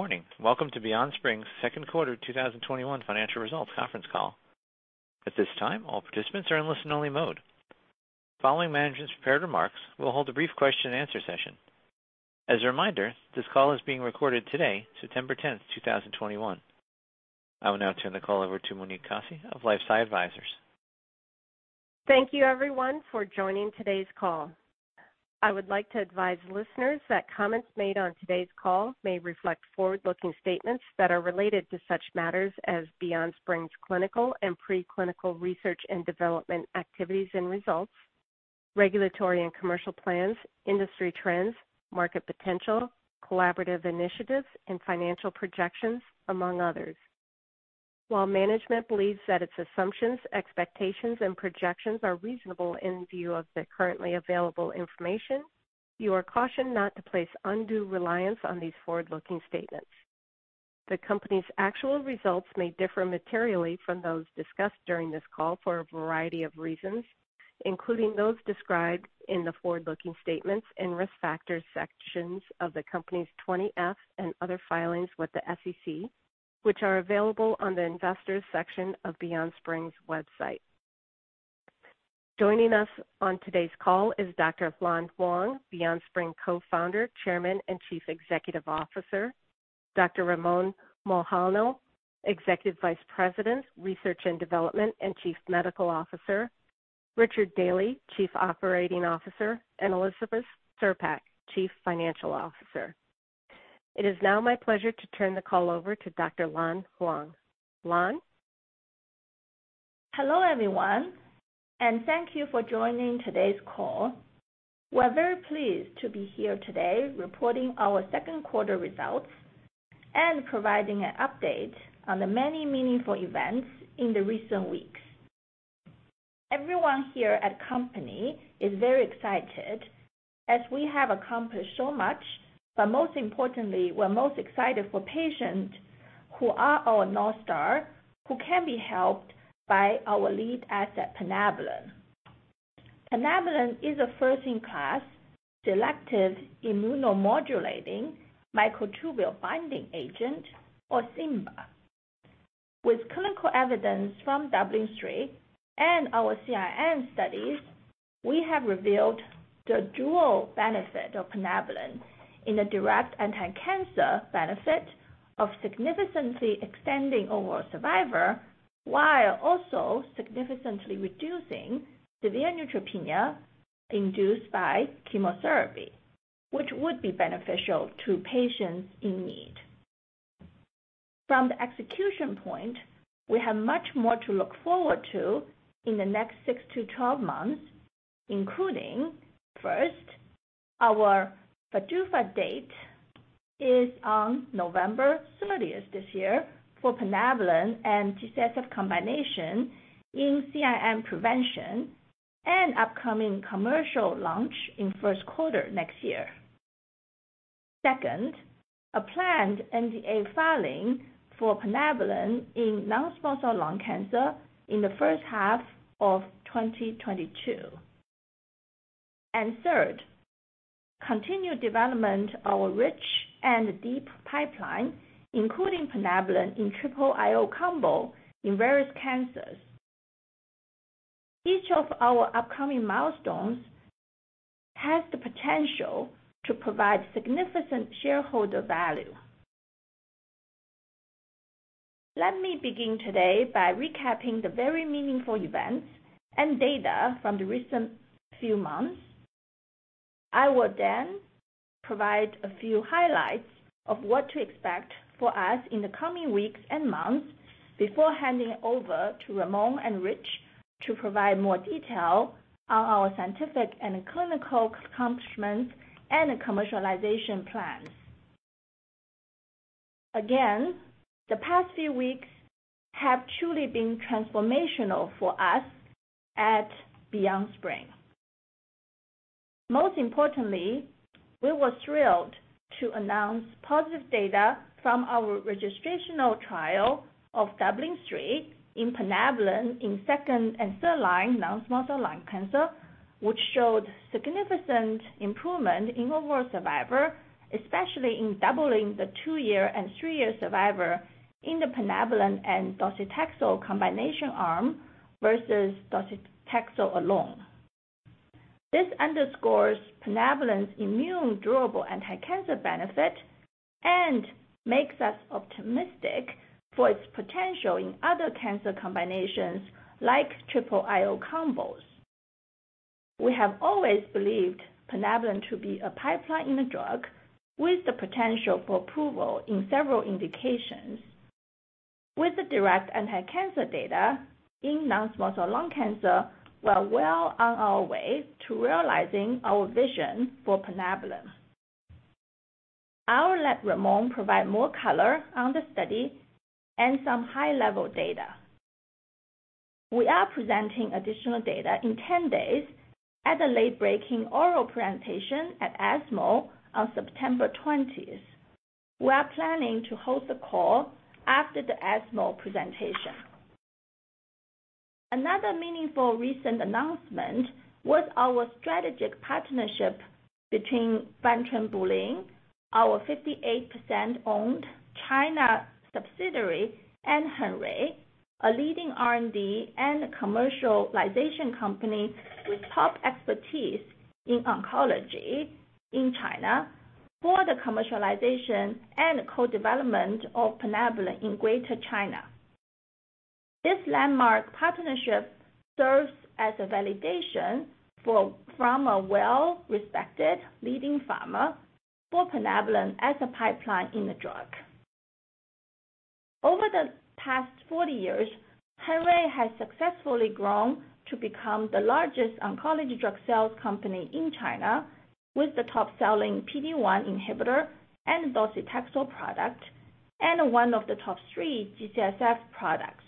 Morning. Welcome to BeyondSpring's Q2 2021 Financial Results Conference Call. At this time, all participants are in listen only mode. Following management's prepared remarks, we'll hold a brief question and answer session. As a reminder, this call is being recorded today, September 10th, 2021. I will now turn the call over to Monique Koyfman of LifeSci Advisors. Thank you everyone for joining today's call. I would like to advise listeners that comments made on today's call may reflect forward-looking statements that are related to such matters as BeyondSpring's clinical and pre-clinical research and development activities and results, regulatory and commercial plans, industry trends, market potential, collaborative initiatives and financial projections, among others. While management believes that its assumptions, expectations, and projections are reasonable in view of the currently available information, you are cautioned not to place undue reliance on these forward-looking statements. The company's actual results may differ materially from those discussed during this call for a variety of reasons, including those described in the forward-looking statements and risk factors sections of the company's 20-F and other filings with the SEC, which are available on the investors section of BeyondSpring's website. Joining us on today's call is Dr. Lan Huang, BeyondSpring Co-founder, Chairman and Chief Executive Officer, Dr. Ramon Mohanlal, Executive Vice President, Research and Development and Chief Medical Officer, Richard Daly, Chief Operating Officer, and Elizabeth Czerepak, Chief Financial Officer. It is now my pleasure to turn the call over to Dr. Lan Huang. Lan? Hello everyone, thank you for joining today's call. We're very pleased to be here today reporting our Q2 results and providing an update on the many meaningful events in the recent weeks. Everyone here at company is very excited, as we have accomplished so much, but most importantly, we're most excited for patients who are our north star, who can be helped by our lead asset, plinabulin. Plinabulin is a first-in-class selective immunomodulating microtubule binding agent, or SIMBA. With clinical evidence from DUBLIN-3 and our CIN studies, we have revealed the dual benefit of plinabulin in the direct anti-cancer benefit of significantly extending overall survival, while also significantly reducing severe neutropenia induced by chemotherapy, which would be beneficial to patients in need. From the execution point, we have much more to look forward to in the next 6-12 months, including, first, our PDUFA date is on November 30th this year for plinabulin and docetaxel combination in CIN prevention, and upcoming commercial launch in Q1 next year. Second, a planned NDA filing for plinabulin in non-small cell lung cancer in the H1 of 2022. Third, continued development our rich and deep pipeline, including plinabulin in triple IO combo in various cancers. Each of our upcoming milestones has the potential to provide significant shareholder value. Let me begin today by recapping the very meaningful events and data from the recent few months. I will then provide a few highlights of what to expect for us in the coming weeks and months before handing over to Ramon and Rich to provide more detail on our scientific and clinical accomplishments and commercialization plans. The past few weeks have truly been transformational for us at BeyondSpring. Most importantly, we were thrilled to announce positive data from our registrational trial of DUBLIN-3 in plinabulin in second and third line non-small cell lung cancer, which showed significant improvement in overall survival, especially in doubling the two-year and three-year survival in the plinabulin and docetaxel combination arm versus docetaxel alone. This underscores plinabulin's immune durable anti-cancer benefit and makes us optimistic for its potential in other cancer combinations like triple IO combos. We have always believed plinabulin to be a pipeline in the drug with the potential for approval in several indications. With the direct anti-cancer data in non-small cell lung cancer, we're well on our way to realizing our vision for plinabulin. I will let Ramon provide more color on the study and some high-level data. We are presenting additional data in 10 days at a late-breaking oral presentation at ESMO on September 20th. We are planning to host the call after the ESMO presentation. Another meaningful recent announcement was our strategic partnership between Wanchunbulin, our 58%-owned China subsidiary, and Hengrui, a leading R&D and commercialization company with top expertise in oncology in China, for the commercialization and co-development of plinabulin in Greater China. This landmark partnership serves as a validation from a well-respected leading pharma for plinabulin as a pipeline drug. Over the past 40 years, Hengrui has successfully grown to become the largest oncology drug sales company in China, with the top-selling PD-1 inhibitor and docetaxel product, and one of the top three G-CSF products.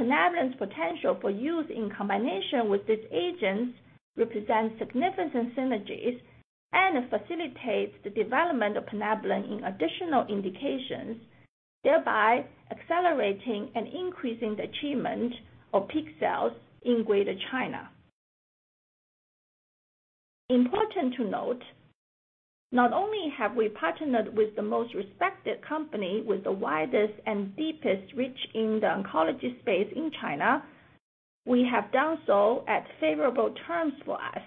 plinabulin's potential for use in combination with these agents represents significant synergies and facilitates the development of plinabulin in additional indications, thereby accelerating and increasing the achievement of peak sales in Greater China. Important to note, not only have we partnered with the most respected company with the widest and deepest reach in the oncology space in China, we have done so at favorable terms for us.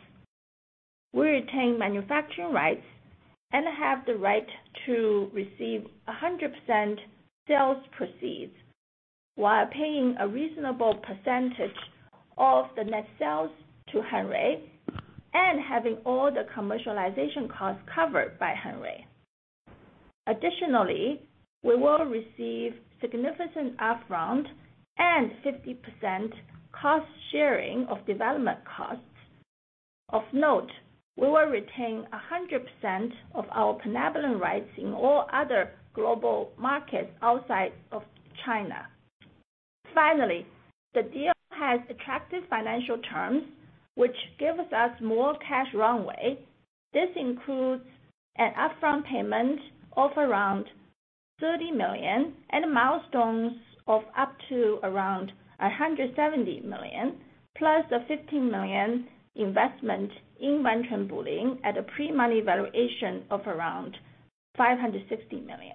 We retain manufacturing rights and have the right to receive 100% sales proceeds while paying a reasonable percentage of the net sales to Hengrui and having all the commercialization costs covered by Hengrui. Additionally, we will receive significant upfront and 50% cost-sharing of development costs. Of note, we will retain 100% of our plinabulin rights in all other global markets outside of China. The deal has attractive financial terms, which gives us more cash runway. This includes an upfront payment of around $30 million and milestones of up to around $170 million, plus a $15 million investment in Wanchunbulin at a pre-money valuation of around $560 million.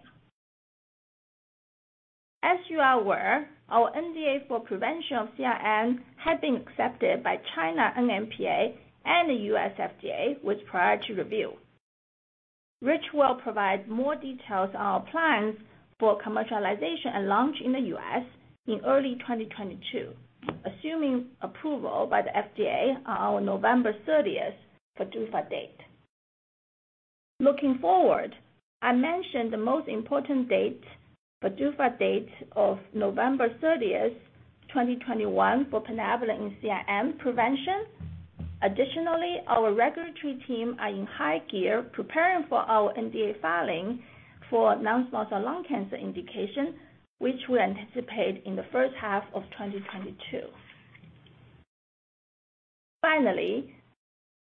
As you are aware, our NDA for prevention of CIN has been accepted by China NMPA and the U.S. FDA with priority review, which will provide more details on our plans for commercialization and launch in the U.S. in early 2022, assuming approval by the FDA on our November 30th PDUFA date. Looking forward, I mentioned the most important date, PDUFA date of November 30th, 2021, for plinabulin in CIN prevention. Additionally, our regulatory team are in high gear preparing for our NDA filing for non-small cell lung cancer indication, which we anticipate in the H1 of 2022.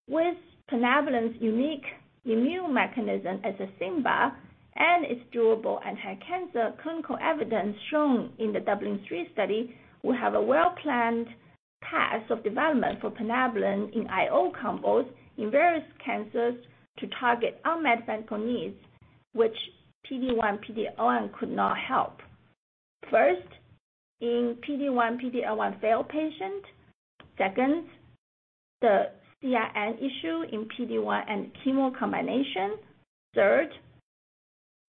With plinabulin's unique immune mechanism as a SIMBA and its durable anti-cancer clinical evidence shown in the DUBLIN-3 study, we have a well-planned path of development for plinabulin in IO combos in various cancers to target unmet medical needs, which PD-1, PD-L1 could not help. First, in PD-1, PD-L1 failed patient. Second, the CIN issue in PD-1 and chemo combination.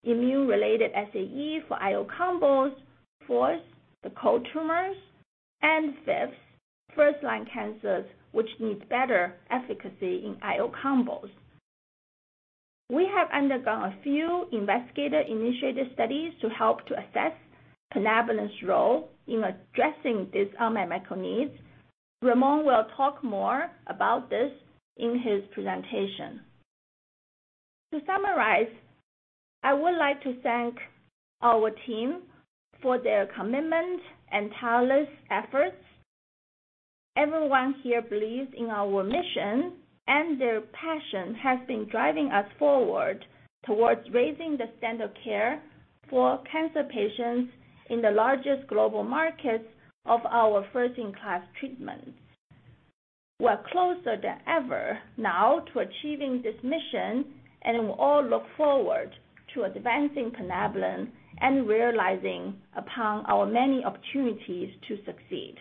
Third, immune-related SAE for IO combos. Fourth, the cold tumors. Fifth, first-line cancers which need better efficacy in IO combos. We have undergone a few investigator-initiated studies to help to assess plinabulin's role in addressing these unmet medical needs. Ramon will talk more about this in his presentation. To summarize, I would like to thank our team for their commitment and tireless efforts. Everyone here believes in our mission, and their passion has been driving us forward towards raising the standard of care for cancer patients in the largest global markets of our first-in-class treatment. We're closer than ever now to achieving this mission, and we all look forward to advancing plinabulin and realizing upon our many opportunities to succeed.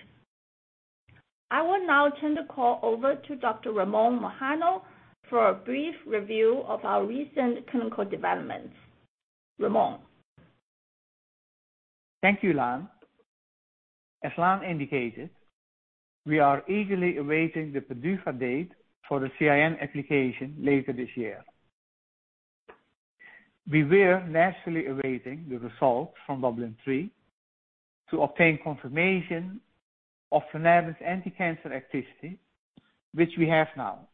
I will now turn the call over to Dr. Ramon Mohanlal for a brief review of our recent clinical developments. Ramon. Thank you, Lan. As Lan indicated, we are eagerly awaiting the PDUFA date for the CIN application later this year. We were naturally awaiting the results from DUBLIN-3 to obtain confirmation of plinabulin's anti-cancer activity, which we have now.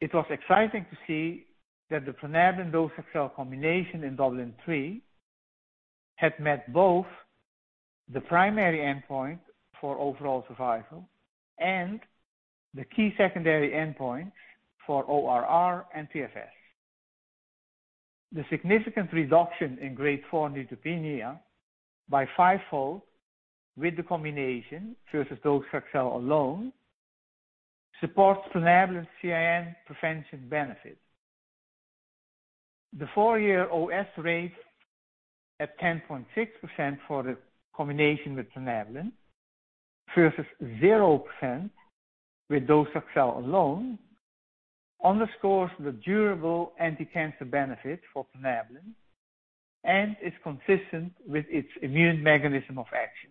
It was exciting to see that the plinabulin dose-escalation combination in DUBLIN-3 had met both the primary endpoint for overall survival and the key secondary endpoint for ORR and PFS. The significant reduction in Grade 4 neutropenia by fivefold with the combination versus docetaxel alone supports plinabulin's CIN prevention benefit. The four-year OS rate at 10.6% for the combination with plinabulin versus 0% with docetaxel alone underscores the durable anti-cancer benefit for plinabulin and is consistent with its immune mechanism of action.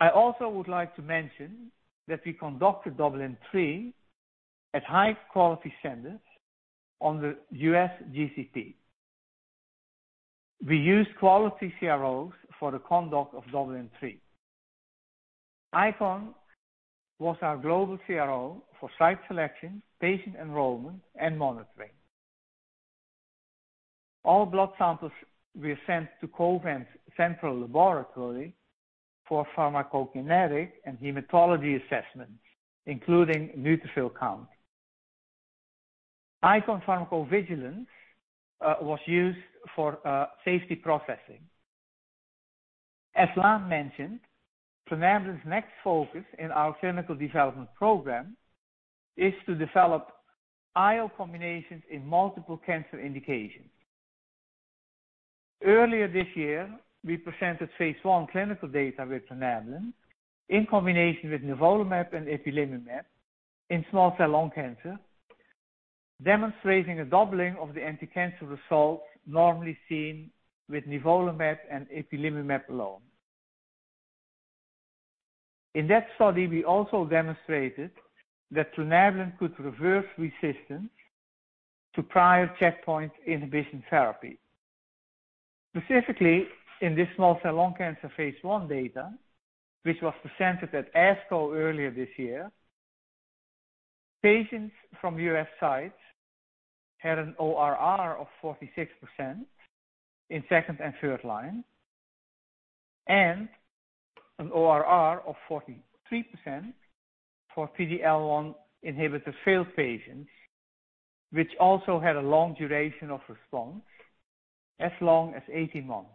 I also would like to mention that we conducted DUBLIN-3 at high-quality centers on the U.S. GCP. We used quality CROs for the conduct of DUBLIN-3. ICON was our global CRO for site selection, patient enrollment, and monitoring. All blood samples were sent to Covance Central Laboratory for pharmacokinetic and hematology assessments, including neutrophil count. ICON Pharmacovigilance was used for safety processing. As Lan mentioned, plinabulin's next focus in our clinical development program is to develop IO combinations in multiple cancer indications. Earlier this year, we presented phase I clinical data with plinabulin in combination with nivolumab and ipilimumab in small cell lung cancer, demonstrating a doubling of the anti-cancer results normally seen with nivolumab and ipilimumab alone. In that study, we also demonstrated that plinabulin could reverse resistance to prior checkpoint inhibition therapy. Specifically, in this small cell lung cancer phase I data, which was presented at ASCO earlier this year, patients from U.S. sites had an ORR of 46% in second and third line, and an ORR of 43% for PD-L1 inhibitor-failed patients, which also had a long duration of response, as long as 18 months.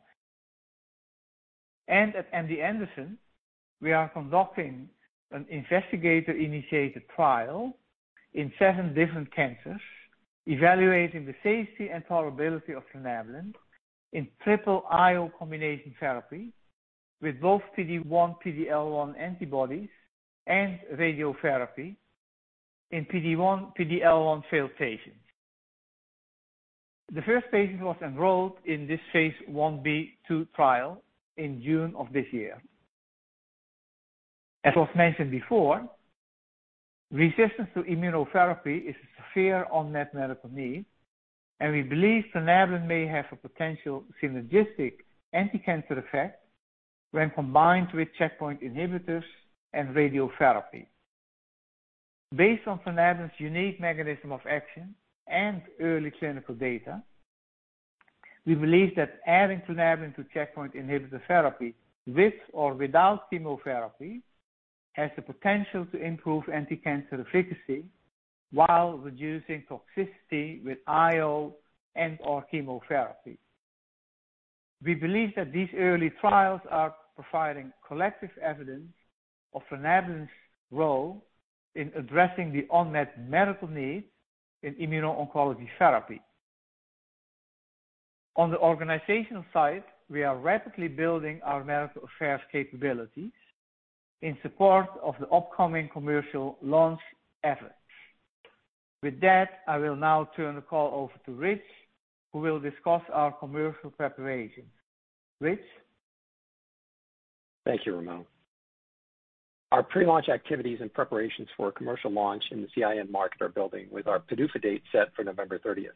At MD Anderson, we are conducting an Investigator-Initiated Trial in seven different cancers evaluating the safety and tolerability of plinabulin in triple IO combination therapy with both PD-1, PD-L1 antibodies and radiotherapy in PD-1, PD-L1 failed patients. The first patient was enrolled in this Phase I-B/II trial in June of this year. As was mentioned before, resistance to immunotherapy is a severe unmet medical need, and we believe plinabulin may have a potential synergistic anti-cancer effect when combined with checkpoint inhibitors and radiotherapy. Based on plinabulin's unique mechanism of action and early clinical data, we believe that adding plinabulin to checkpoint inhibitor therapy with or without chemotherapy has the potential to improve anti-cancer efficacy while reducing toxicity with IO and/or chemotherapy. We believe that these early trials are providing collective evidence of plinabulin's role in addressing the unmet medical need in immuno-oncology therapy. On the organizational side, we are rapidly building our medical affairs capabilities in support of the upcoming commercial launch efforts. With that, I will now turn the call over to Rich, who will discuss our commercial preparations. Rich? Thank you, Ramon. Our pre-launch activities and preparations for a commercial launch in the CIN market are building, with our PDUFA date set for November 30th.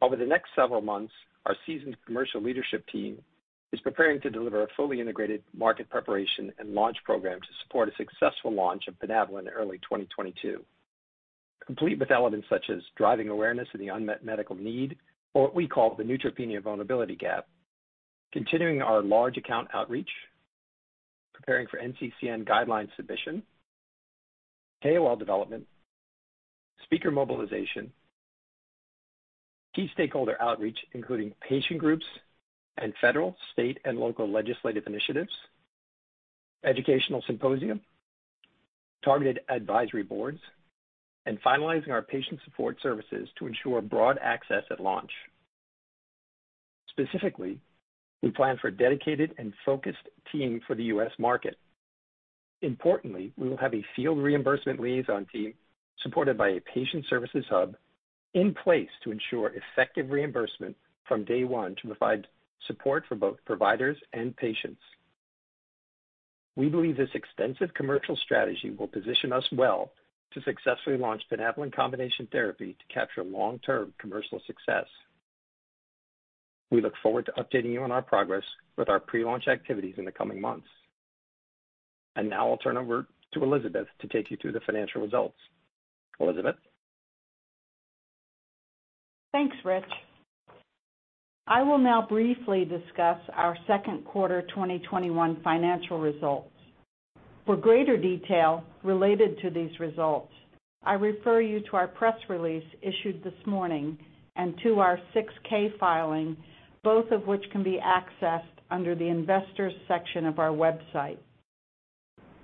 Over the next several months, our seasoned commercial leadership team is preparing to deliver a fully integrated market preparation and launch program to support a successful launch of plinabulin in early 2022, complete with elements such as driving awareness of the unmet medical need, or what we call the Neutropenia Vulnerability Gap, continuing our large account outreach, preparing for NCCN guidelines submission, KOL development, speaker mobilization, key stakeholder outreach, including patient groups and federal, state, and local legislative initiatives, educational symposium, targeted advisory boards, and finalizing our patient support services to ensure broad access at launch. Specifically, we plan for a dedicated and focused team for the U.S. market. Importantly, we will have a field reimbursement liaison team supported by a patient services hub in place to ensure effective reimbursement from day one to provide support for both providers and patients. We believe this extensive commercial strategy will position us well to successfully launch plinabulin combination therapy to capture long-term commercial success. We look forward to updating you on our progress with our pre-launch activities in the coming months. Now I'll turn over to Elizabeth to take you through the financial results. Elizabeth? Thanks, Rich. I will now briefly discuss our Q2 2021 financial results. For greater detail related to these results, I refer you to our press release issued this morning and to our 6-K filing, both of which can be accessed under the investors section of our website.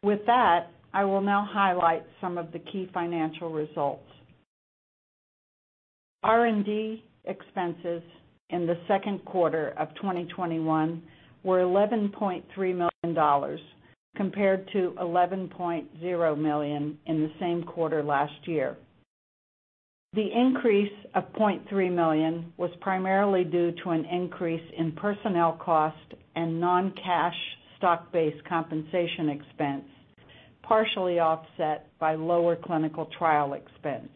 With that, I will now highlight some of the key financial results. R&D expenses in the Q2 of 2021 were $11.3 million, compared to $11.0 million in the same quarter last year. The increase of $0.3 million was primarily due to an increase in personnel cost and non-cash stock-based compensation expense, partially offset by lower clinical trial expense.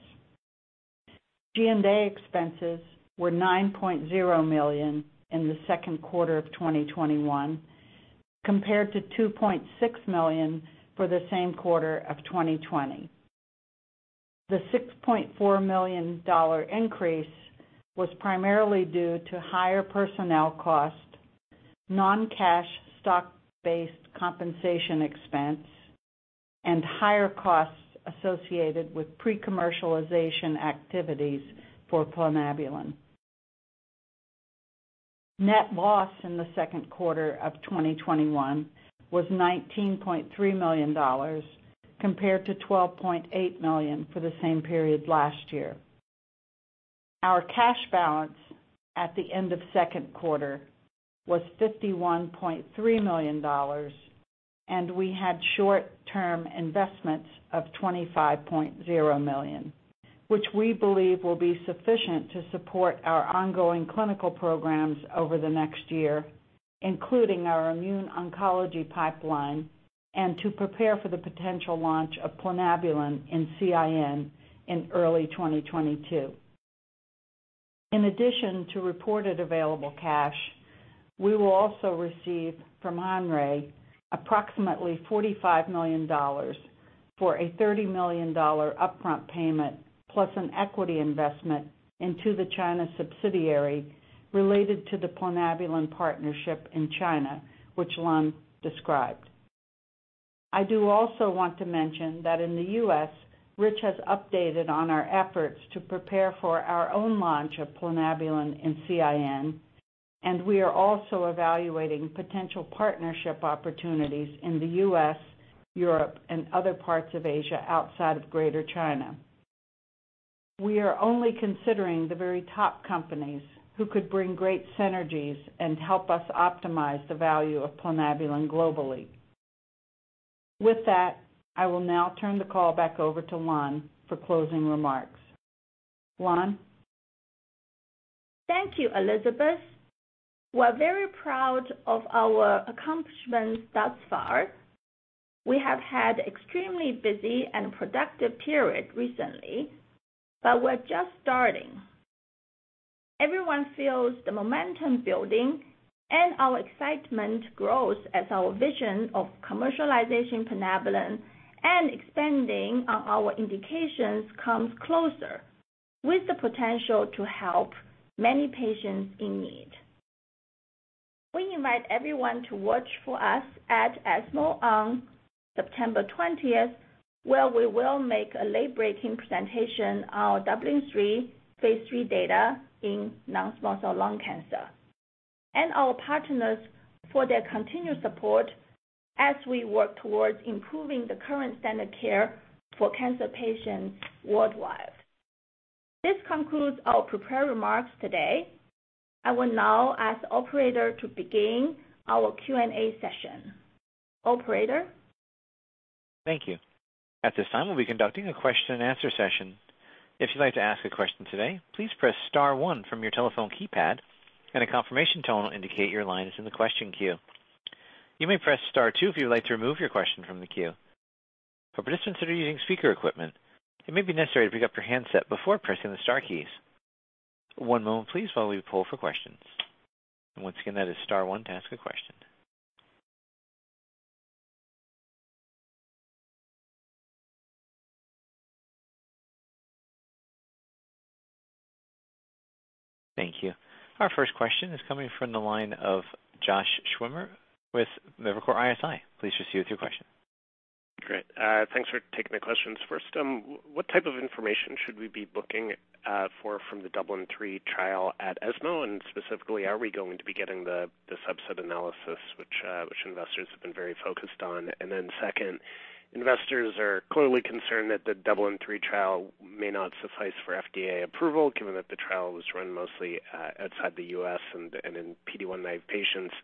G&A expenses were $9.0 million in the Q2 of 2021, compared to $2.6 million for the same quarter of 2020. The $6.4 million increase was primarily due to higher personnel cost, non-cash stock-based compensation expense, and higher costs associated with pre-commercialization activities for plinabulin. Net loss in the Q2 of 2021 was $19.3 million, compared to $12.8 million for the same period last year. Our cash balance at the end of Q2 was $51.3 million, and we had short-term investments of $25.0 million, which we believe will be sufficient to support our ongoing clinical programs over the next year, including our immune oncology pipeline, and to prepare for the potential launch of plinabulin in CIN in early 2022. In addition to reported available cash, we will also receive from Hengrui approximately $45 million for a $30 million upfront payment, plus an equity investment into the China subsidiary related to the plinabulin partnership in China, which Lan described. I do also want to mention that in the U.S., Rich has updated on our efforts to prepare for our own launch of plinabulin in CIN, and we are also evaluating potential partnership opportunities in the U.S., Europe, and other parts of Asia outside of Greater China. We are only considering the very top companies who could bring great synergies and help us optimize the value of plinabulin globally. With that, I will now turn the call back over to Lan for closing remarks. Lan? Thank you, Elizabeth. We're very proud of our accomplishments thus far. We have had extremely busy and productive period recently, but we're just starting. Everyone feels the momentum building, and our excitement grows as our vision of commercializing plinabulin and expanding on our indications comes closer, with the potential to help many patients in need. We invite everyone to watch for us at ESMO on September 20th, where we will make a late-breaking presentation on our DUBLIN-3 phase III data in non-small cell lung cancer, and our partners for their continued support as we work towards improving the current standard care for cancer patients worldwide. This concludes our prepared remarks today. I will now ask the operator to begin our Q&A session. Operator? Thank you. At this time, we'll be conducting a question and answer session. If you'd like to ask a question today, please press star one from your telephone keypad, and a confirmation tone will indicate your line is in the question queue. You may press star two if you would like to remove your question from the queue. For participants that are using speaker equipment, it may be necessary to pick up your handset before pressing the star keys. One moment please while we poll for questions. Once again, that is star one to ask a question. Thank you. Our first question is coming from the line of Josh Schimmer with Evercore ISI. Please proceed with your question. Great. Thanks for taking the questions. First, what type of information should we be looking for from the DUBLIN-3 trial at ESMO, and specifically, are we going to be getting the subset analysis which investors have been very focused on? Second, investors are clearly concerned that the DUBLIN-3 trial may not suffice for FDA approval, given that the trial was run mostly outside the U.S. and in PD-1 naive patients.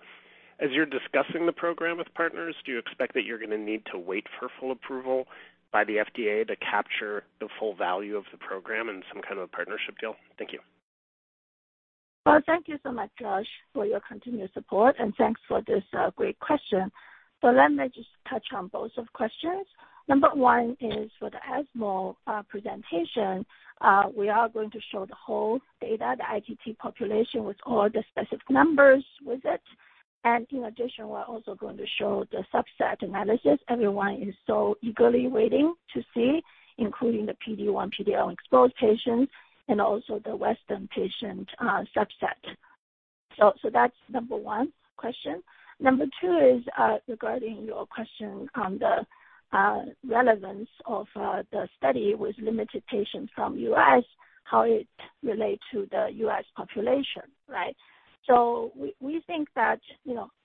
As you're discussing the program with partners, do you expect that you're going to need to wait for full approval by the FDA to capture the full value of the program in some kind of a partnership deal? Thank you. Well, thank you so much, Josh, for your continued support, and thanks for this great question. Let me just touch on both questions. Number one is for the ESMO presentation. We are going to show the whole data, the ITT population, with all the specific numbers with it. And in addition, we're also going to show the subset analysis everyone is so eagerly waiting to see, including the PD-1/PD-L1 exposed patients and also the Western patient subset. That's the number one question. Number two is regarding your question on the relevance of the study with limited patients from the U.S., how it relates to the U.S. population, right? We think that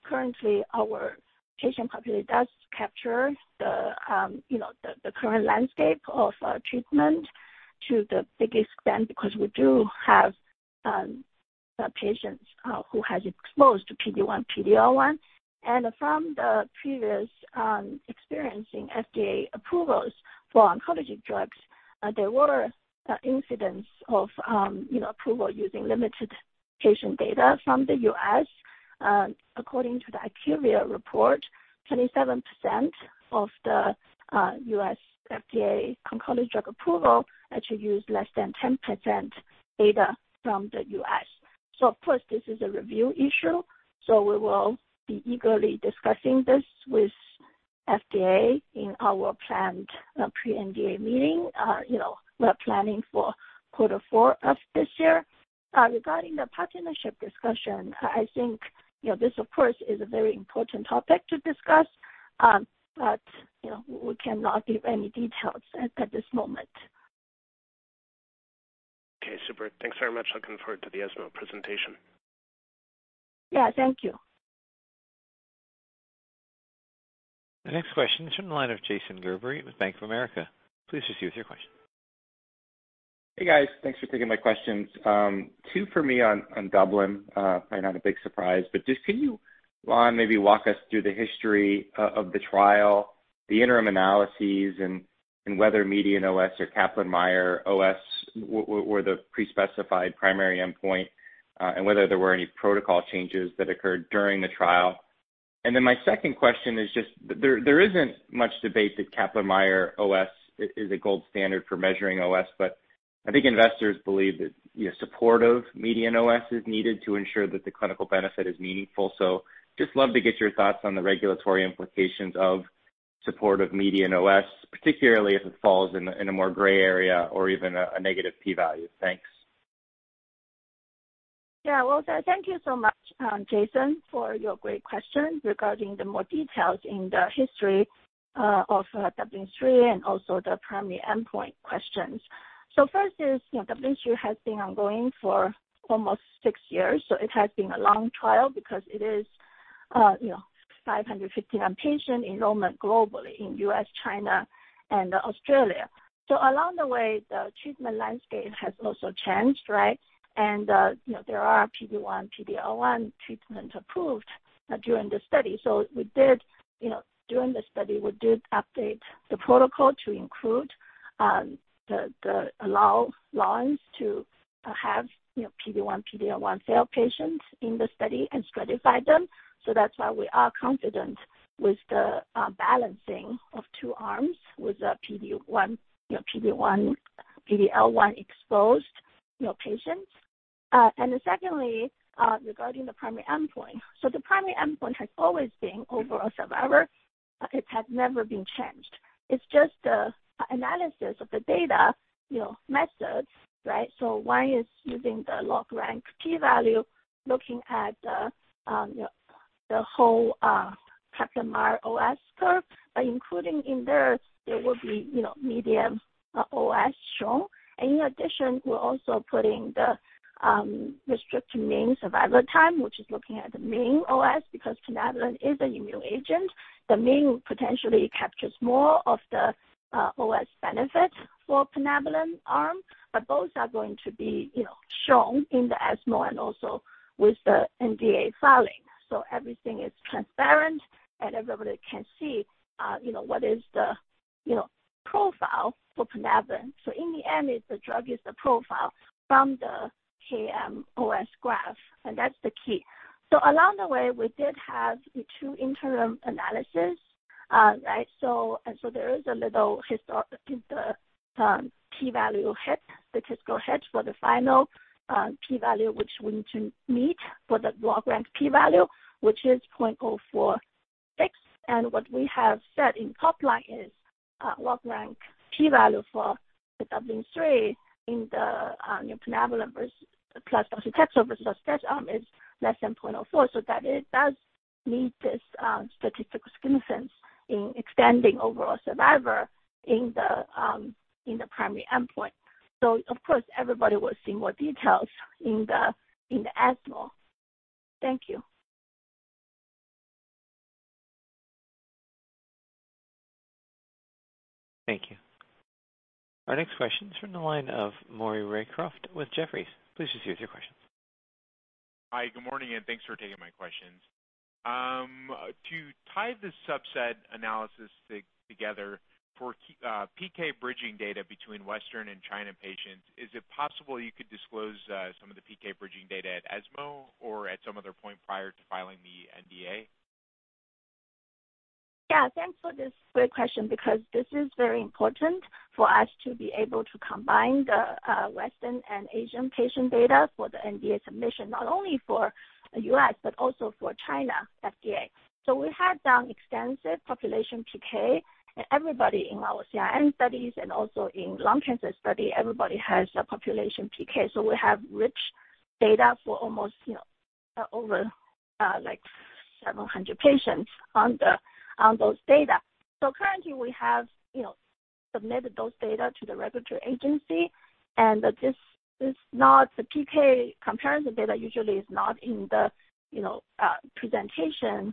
currently our patient population does capture the current landscape of treatment to the biggest extent because we do have patients who have been exposed to PD-1/PD-L1. From the previous experience in FDA approvals for oncology drugs, there were incidents of approval using limited patient data from the U.S. According to the IQVIA report, 27% of the U.S. FDA oncology drug approval actually used less than 10% data from the U.S. Of course, this is a review issue, so we will be eagerly discussing this with FDA in our planned pre-NDA meeting. We're planning for Q4 of this year. Regarding the partnership discussion, I think this of course, is a very important topic to discuss, but we cannot give any details at this moment. Okay, super. Thanks very much. Looking forward to the ESMO presentation. Yeah, thank you. The next question is from the line of Jason Gerberry with Bank of America. Please proceed with your question. Hey, guys. Thanks for taking my questions. Two for me on DUBLIN-3. Probably not a big surprise, just can you, Lan, maybe walk us through the history of the trial, the interim analyses, and whether median OS or Kaplan-Meier OS were the pre-specified primary endpoint, and whether there were any protocol changes that occurred during the trial? My second question is just, there isn't much debate that Kaplan-Meier OS is a gold standard for measuring OS, but I think investors believe that supportive median OS is needed to ensure that the clinical benefit is meaningful. Just love to get your thoughts on the regulatory implications of supportive median OS, particularly if it falls in a more gray area or even a negative P value. Thanks. Well said. Thank you so much, Jason, for your great questions regarding the more details in the history of DUBLIN-3 and also the primary endpoint questions. First is, DUBLIN-3 has been ongoing for almost six years, it has been a long trial because it is 551 patient enrollment globally in U.S., China, and Australia. Along the way, the treatment landscape has also changed, right? There are PD-1, PD-L1 treatments approved during the study. During the study, we did update the protocol to include the allow lines to have PD-1, PD-L1 failed patients in the study and stratified them. That's why we are confident with the balancing of two arms with PD-1, PD-L1 exposed patients. Secondly, regarding the primary endpoint. The primary endpoint has always been overall survival. It has never been changed. It's just the analysis of the data methods, right? One is using the log-rank P value, looking at the whole Kaplan-Meier OS curve, including in there will be median OS shown. In addition, we're also putting the restricted mean survival time, which is looking at the mean OS, because plinabulin is an immune agent. The mean potentially captures more of the OS benefit for plinabulin arm, but both are going to be shown in the ESMO and also with the NDA filing. Everything is transparent, and everybody can see what is the profile for plinabulin. In the end, the drug is the profile from the KM OS graph, and that's the key. Along the way, we did have the two interim analysis. There is a little historical P value hit, statistical hit for the final P value, which we need to meet for the log-rank P value, which is 0.046. What we have said in top line is log-rank P value for the DUBLIN-3 in the plinabulin versus plus docetaxel versus docetaxel is less than 0.04. That does meet this statistical significance in extending overall survival in the primary endpoint. Of course, everybody will see more details in the ESMO. Thank you. Thank you. Our next question is from the line of Maury Raycroft with Jefferies. Please proceed with your question. Hi, good morning. Thanks for taking my questions. To tie this subset analysis together for PK bridging data between Western and China patients, is it possible you could disclose some of the PK bridging data at ESMO or at some other point prior to filing the NDA? Yeah, thanks for this great question, because this is very important for us to be able to combine the Western and Asian patient data for the NDA submission, not only for the U.S., but also for China FDA. We have done extensive population PK and everybody in our CIN studies and also in lung cancer study, everybody has a population PK. We have rich data for almost over several hundred patients on those data. Currently, we have submitted those data to the regulatory agency, and the PK comparison data usually is not in the presentation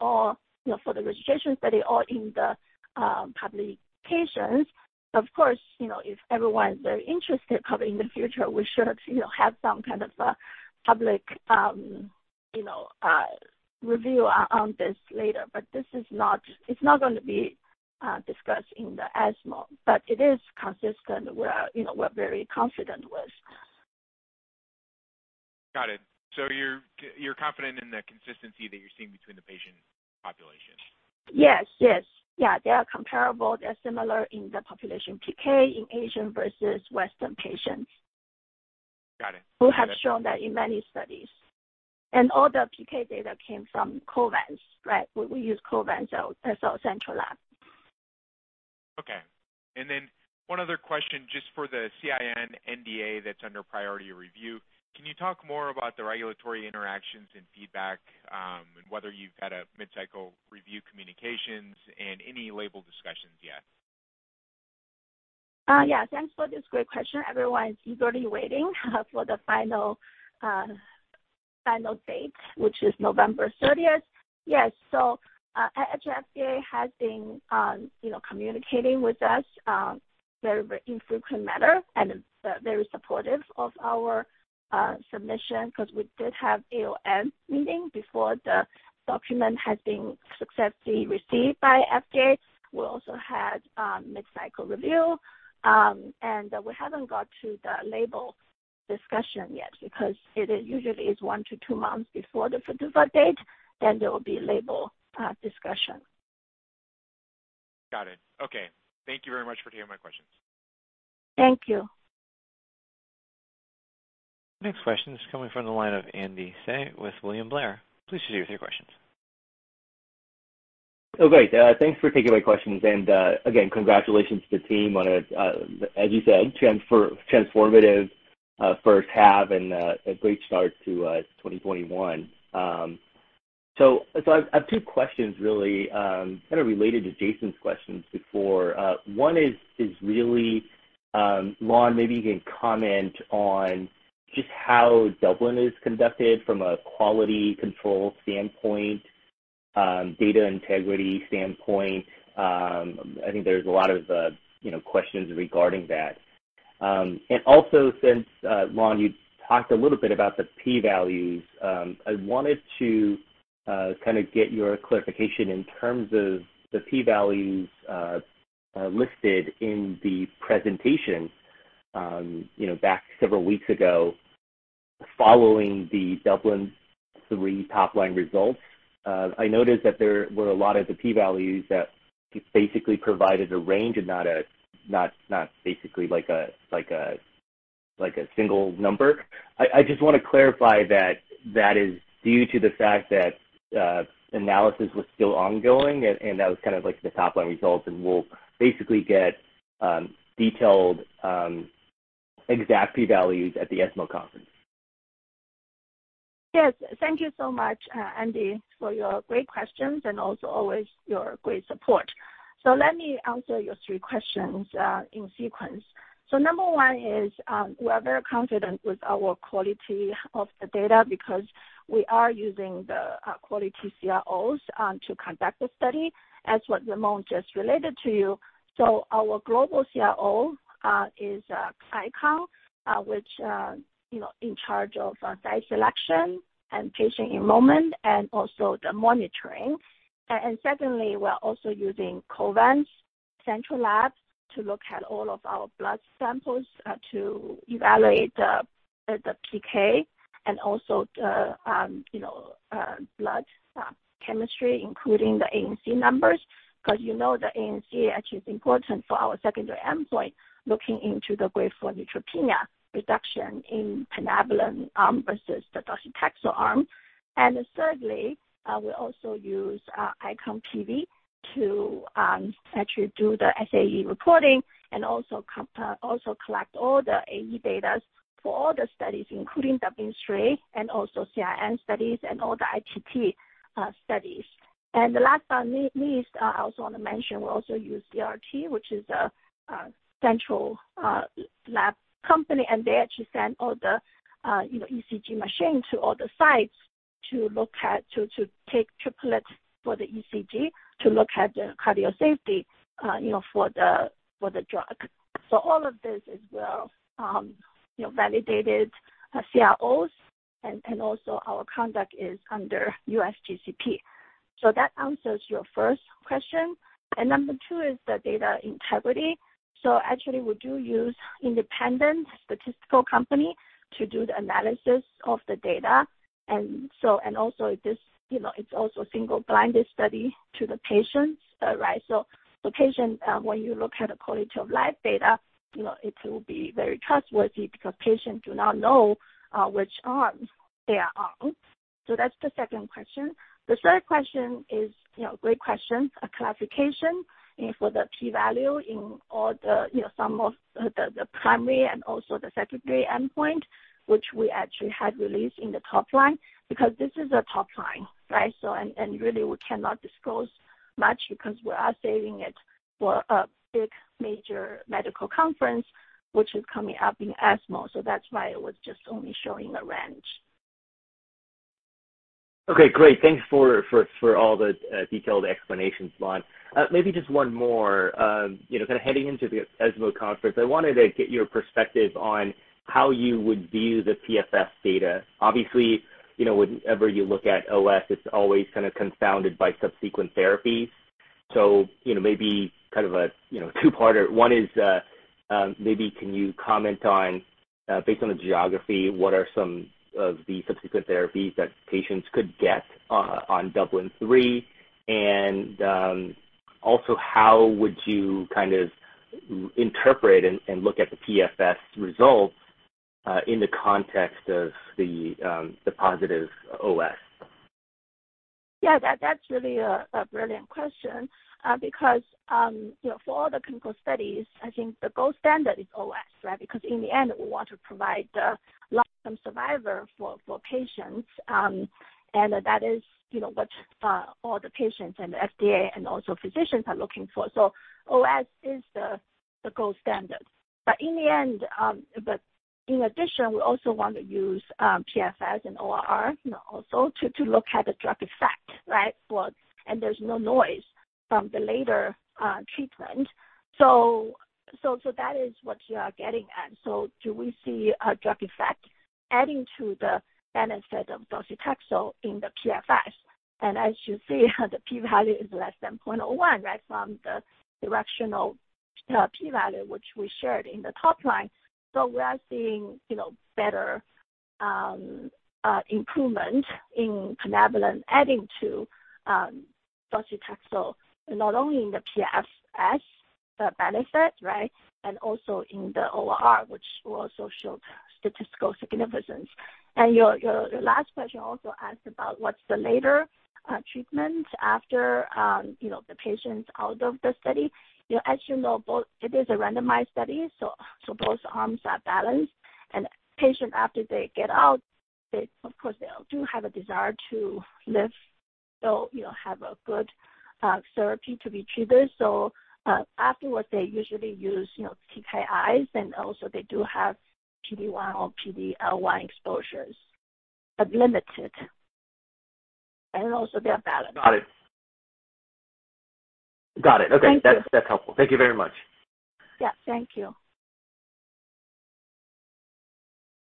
or for the registration study or in the publications. Of course, if everyone's very interested, probably in the future, we should have some kind of a public review on this later. It's not going to be discussed in the ESMO, but it is consistent. We're very confident with. Got it. You're confident in the consistency that you're seeing between the patient populations? Yes. They are comparable. They're similar in the population PK in Asian versus Western patients. Got it. We have shown that in many studies. All the PK data came from Covance, right? We use Covance as our central lab. Okay. One other question just for the CIN NDA that's under priority review, can you talk more about the regulatory interactions and feedback, and whether you've had a mid-cycle review communications and any label discussions yet? Yeah. Thanks for this great question. Everyone's eagerly waiting for the final date, which is November 30th. Yes, FDA has been communicating with us in frequent manner and is very supportive of our submission because we did have AOM meeting before the document had been successfully received by FDA. We also had mid-cycle review, and we haven't got to the label discussion yet because it usually is one to two months before the PDUFA date, then there will be label discussion. Got it. Okay. Thank you very much for taking my questions. Thank you. Next question is coming from the line of Andy Hsieh with William Blair. Please proceed with your questions. Great. Thanks for taking my questions and, again, congratulations to the team on a, as you said, transformative H1 and a great start to 2021. I have two questions really, kind of related to Jason's questions before. One is really, Lan, maybe you can comment on just how DUBLIN-3 is conducted from a quality control standpoint, data integrity standpoint. I think there's a lot of questions regarding that. Also since, Lon, you talked a little bit about the P values, I wanted to kind of get your clarification in terms of the P values listed in the presentation back several weeks ago following the DUBLIN-3 top-line results. I noticed that there were a lot of the P values that basically provided a range and not basically a single number. I just want to clarify that is due to the fact that analysis was still ongoing and that was kind of the top-line results and we'll basically get detailed exact P values at the ESMO conference. Yes. Thank you so much, Andy, for your great questions and also always your great support. Let me answer your three questions in sequence. Number one is, we are very confident with our quality of the data because we are using the quality CROs to conduct the study, as what Ramon just related to you. Our global CRO is ICON, which in charge of site selection and patient enrollment and also the monitoring. Secondly, we're also using Covance Central Labs to look at all of our blood samples to evaluate the PK and also the blood chemistry, including the ANC numbers. Because you know the ANC actually is important for our secondary endpoint, looking into the grade for neutropenia reduction in plinabulin arm versus the docetaxel arm. Thirdly, we also use ICON PV to actually do the SAE reporting and also collect all the AE data for all the studies, including DUBLIN-3 and also CIN studies and all the ITT studies. The last but not least, I also want to mention we also use ERT, which is a central lab company and they actually send all the ECG machine to all the sites to take triplets for the ECG to look at the cardio safety for the drug. All of this is well validated CROs. Also, our conduct is under U.S. GCP. So that answers your first question. Number two is the data integrity. Actually, we do use independent statistical company to do the analysis of the data. Also, it's also a single-blinded study to the patients. Patients, when you look at the quality of life data, it will be very trustworthy because patients do not know which arms they are on. That's the second question. The third question is a great question, a clarification for the P value in all the sum of the primary and also the secondary endpoint, which we actually had released in the top line, because this is a top line, right? Really, we cannot disclose much because we are saving it for a big major medical conference, which is coming up in ESMO. That's why it was just only showing a range. Okay, great. Thanks for all the detailed explanations, Lan. Maybe just one more. Kind of heading into the ESMO conference, I wanted to get your perspective on how you would view the PFS data. Obviously, whenever you look at OS, it's always kind of confounded by subsequent therapy. Maybe kind of a two-parter. One is, maybe can you comment on, based on the geography, what are some of the subsequent therapies that patients could get on DUBLIN-3? Also, how would you kind of interpret and look at the PFS results, in the context of the positive OS? Yeah, that's really a brilliant question. For all the clinical studies, I think the gold standard is OS, right? In the end, we want to provide the lifetime survivor for patients. That is what all the patients and the FDA and also physicians are looking for. OS is the gold standard. In addition, we also want to use PFS and ORR also to look at the drug effect, right? There's no noise from the later treatment. That is what you are getting at. Do we see a drug effect adding to the benefit of docetaxel in the PFS? As you see, the P value is less than 0.01 from the directional P value, which we shared in the top line. We are seeing better improvement in plinabulin adding to docetaxel, not only in the PFS benefit and also in the ORR, which will also show statistical significance. Your last question also asked about what's the later treatment after the patients out of the study. As you know, both it is a randomized study, so both arms are balanced. Patient after they get out, of course, they do have a desire to live, so have a good therapy to be treated. Afterwards, they usually use TKIs, and also they do have PD-1 or PD-L1 exposures, but limited. Also, they are balanced. Got it. Okay. Thank you. That's helpful. Thank you very much. Yeah. Thank you.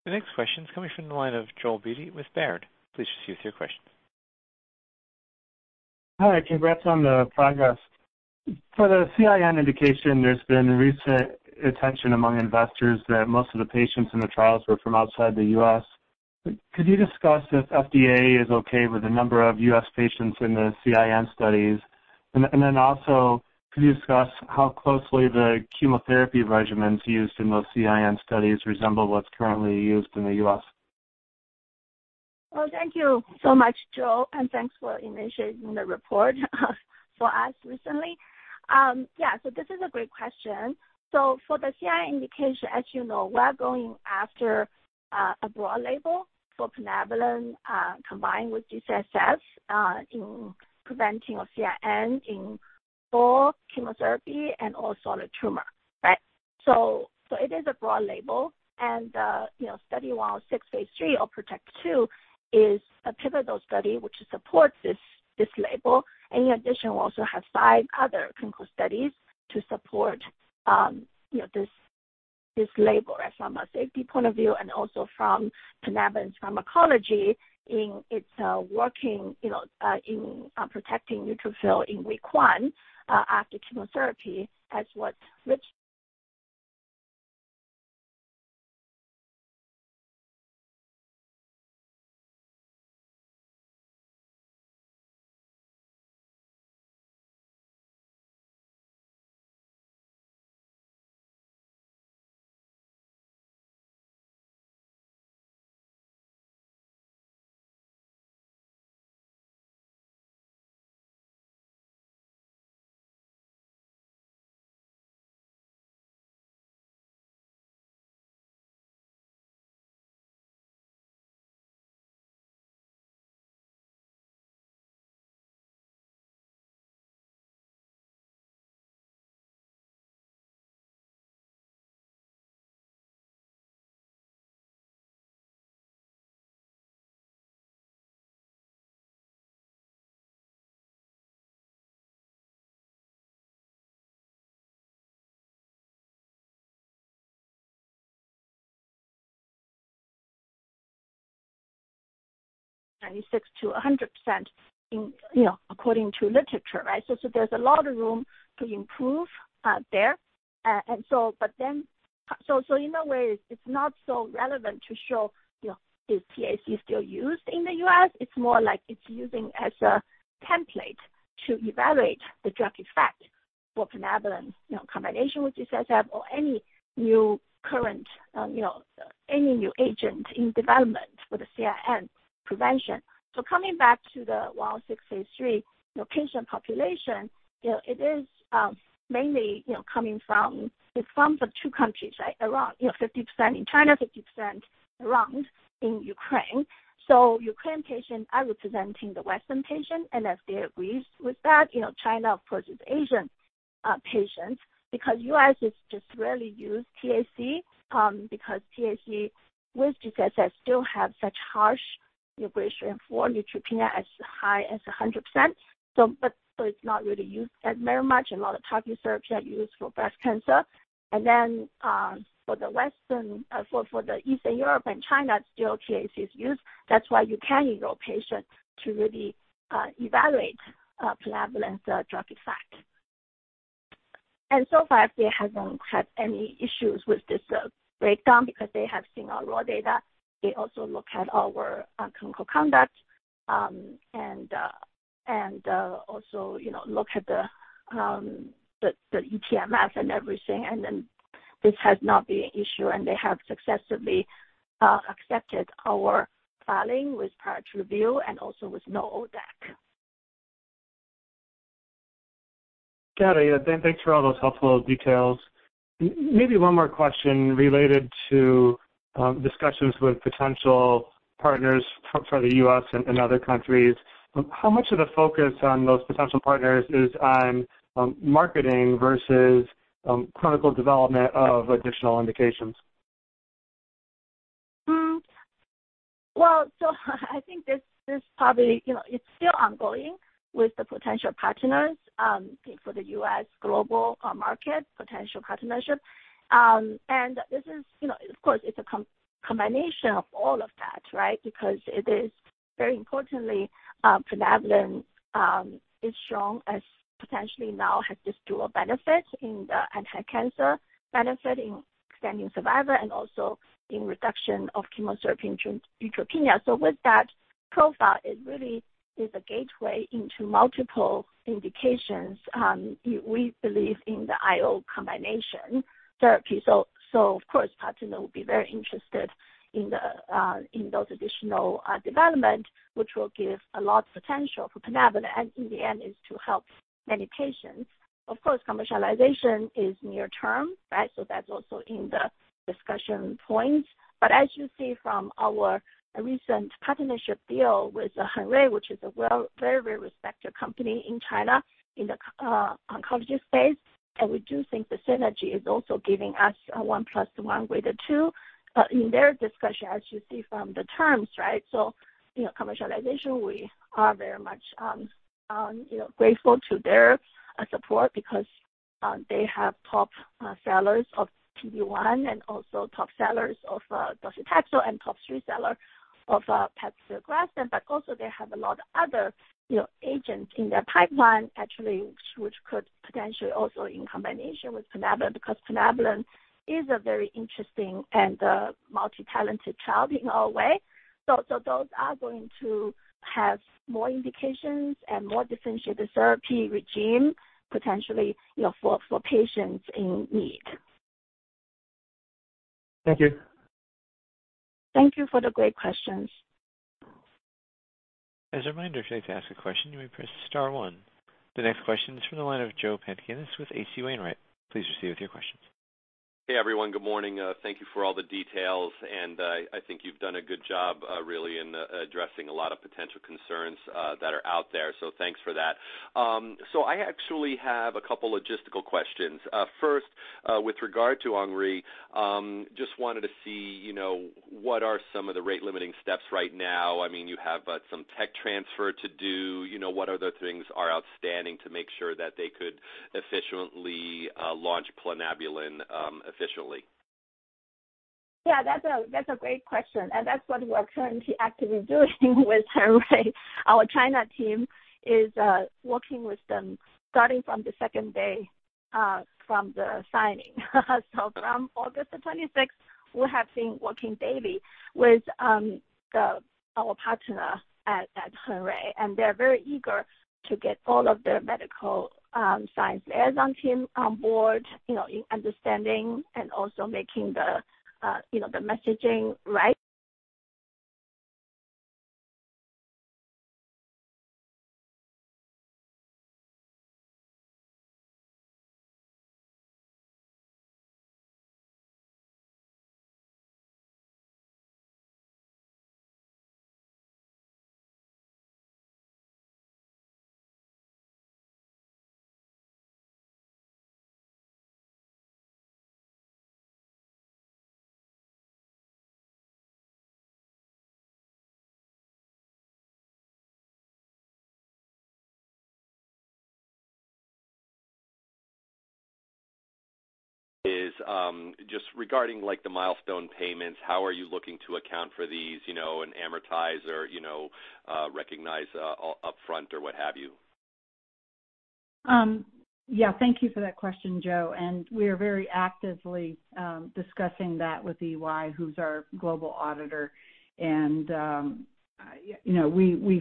The next question is coming from the line of Joel Beatty with Baird. Please proceed with your question. Hi. Congrats on the progress. For the CIN indication, there's been recent attention among investors that most of the patients in the trials were from outside the U.S. Could you discuss if FDA is okay with the number of U.S. patients in the CIN studies? Could you discuss how closely the chemotherapy regimens used in those CIN studies resemble what's currently used in the U.S.? Well, thank you so much, Joel, and thanks for initiating the report for us recently. This is a great question. For the CIN indication, as you know, we're going after a broad label for plinabulin, combined with G-CSF, in preventing of CIN in all chemotherapy and all solid tumor. It is a broad label, and Study 106, phase III or PROTECTIVE-2 is a pivotal study which supports this label. In addition, we also have five other clinical studies to support this label from a safety point of view and also from plinabulin's pharmacology in its working in protecting neutrophil in week one after chemotherapy as what 96%-100%, according to literature, right? There's a lot of room to improve there. In a way, it's not so relevant to show, is TAC still used in the U.S.? It's more like it's used as a template to evaluate the drug effect for plinabulin, combination with G-CSF or any new agent in development for the CIN prevention. Coming back to the 1,063 patient population, it's from two countries, right? Around 50% in China, 50% around in Ukraine. Ukraine patients are representing the Western patients, and FDA agrees with that. China, of course, is Asian patients, because U.S. just rarely use TAC, because TAC with G-CSF still have such harsh grade 4 neutropenia as high as 100%. It's not really used very much, a lot of toxicities are used for breast cancer. For the Eastern Europe and China, still TAC is used. That's why you can enroll patients to really evaluate plinabulin's drug effect. So far, FDA hasn't had any issues with this breakdown because they have seen our raw data. They also look at our clinical conduct, also look at the eTMF and everything. This has not been an issue, they have successfully accepted our filing with priority review also with no ODAC. Got it. Thanks for all those helpful details. One more question related to discussions with potential partners for the U.S. and other countries. How much of the focus on those potential partners is on marketing versus clinical development of additional indications? Well, I think this probably, it's still ongoing with the potential partners, I think for the U.S. global market potential partnership. This is, of course, it's a combination of all of that, right? Because it is very important, plinabulin is shown as potentially now has this dual benefit in the anti-cancer benefit, in extending survival, and also in reduction of Chemotherapy-Induced Neutropenia. With that profile, it really is a gateway into multiple indications. We believe in the IO combination therapy. Of course, partners will be very interested in those additional development, which will give a lot of potential for plinabulin, and in the end, is to help many patients. Of course, commercialization is near term, right? That's also in the discussion points. As you see from our recent partnership deal with Hengrui, which is a very respected company in China in the oncology space, we do think the synergy is also giving us a 1 plus 1 greater 2. In their discussion, as you see from the terms, right? Commercialization, we are very much grateful to their support because they have top sellers of PD-1 and also top sellers of docetaxel, and top three seller of paclitaxel, but also they have a lot of other agents in their pipeline actually, which could potentially also in combination with plinabulin, because plinabulin is a very interesting and multi-talented child in a way. Those are going to have more indications and more differentiated therapy regime, potentially, for patients in need. Thank you. Thank you for the great questions. As a reminder, if you'd like to ask a question, you may press star one. The next question is from the line of Joe Pantginis with H.C. Wainwright & Co. Please proceed with your questions. Hey, everyone. Good morning. Thank you for all the details. I think you've done a good job, really, in addressing a lot of potential concerns that are out there, so thanks for that. I actually have a couple logistical questions. First, with regard to Hengrui, just wanted to see what are some of the rate-limiting steps right now? You have some tech transfer to do. What other things are outstanding to make sure that they could efficiently launch plinabulin efficiently? Yeah, that's a great question. That's what we're currently actively doing with Hengrui. Our China team is working with them starting from the second day from the signing. From August 26th, we have been working daily with our partner at Hengrui. They're very eager to get all of their medical science liaison team on board, in understanding and also making the messaging right. Just regarding the milestone payments, how are you looking to account for these, and amortize or recognize upfront or what have you? Yeah. Thank you for that question, Joe. We are very actively discussing that with EY, who's our global auditor. We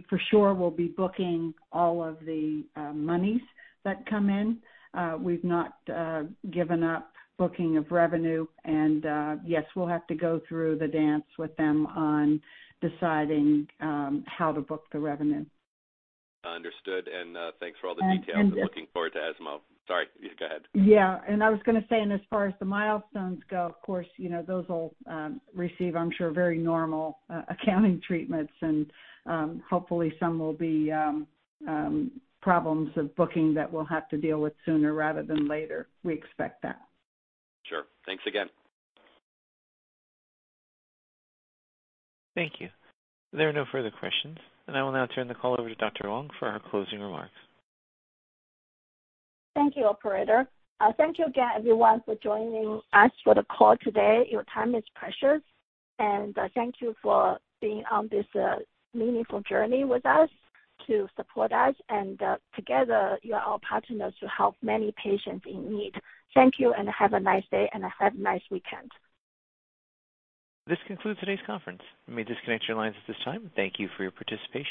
for sure will be booking all of the monies that come in. We've not given up booking of revenue. Yes, we'll have to go through the dance with them on deciding how to book the revenue. Understood, and thanks for all the details. And- I'm looking forward to ESMO. Sorry. Yeah, go ahead. Yeah. I was going to say, and as far as the milestones go, of course, those will receive, I'm sure, very normal accounting treatments, and hopefully, some will be problems of booking that we'll have to deal with sooner rather than later. We expect that. Sure. Thanks again. Thank you. There are no further questions. I will now turn the call over to Dr. Huang for her closing remarks. Thank you, operator. Thank you again, everyone, for joining us for the call today. Your time is precious. Thank you for being on this meaningful journey with us to support us. Together, you are our partners to help many patients in need. Thank you and have a nice day and have a nice weekend. This concludes today's conference. You may disconnect your lines at this time. Thank you for your participation.